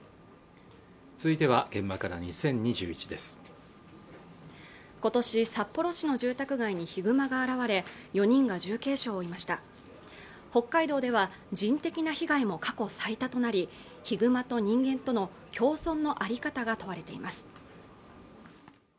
続いては「現場から２０２１」です今年札幌市の住宅街にヒグマが現れ４人が重軽傷を負いました北海道では人的な被害も過去最多となりヒグマと人間との共存の在り方が問われています